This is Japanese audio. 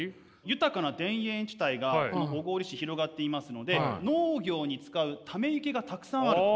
豊かな田園地帯が小郡市広がっていますので農業に使うため池がたくさんある。